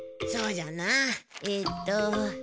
そうじゃなえっと。